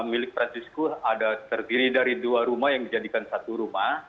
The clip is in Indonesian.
milik franciscus ada terdiri dari dua rumah yang dijadikan satu rumah